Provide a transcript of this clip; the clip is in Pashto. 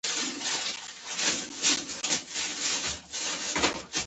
پانګوال یوازې لومړنی او دویم ډول ورکړي دي